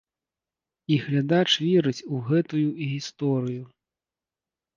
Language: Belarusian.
І глядач верыць у гэтую гісторыю.